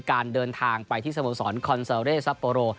การเดินทางไปที่สโมสรคอนเซอร์เร่ซัปโปโร